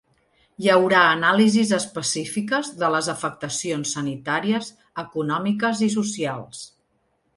Hi haurà anàlisis específiques de les afectacions sanitàries, econòmiques i socials.